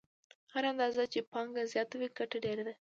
هره اندازه چې پانګه زیاته وي ګټه ډېره ده